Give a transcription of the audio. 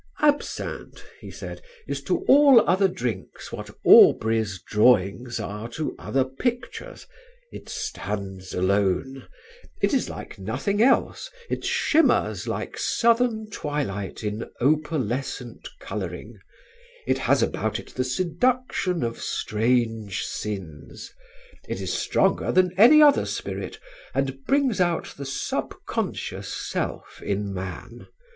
"Absinthe," he said, "is to all other drinks what Aubrey's drawings are to other pictures: it stands alone: it is like nothing else: it shimmers like southern twilight in opalescent colouring: it has about it the seduction of strange sins. It is stronger than any other spirit, and brings out the sub conscious self in man.